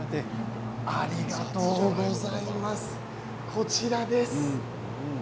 こちらです。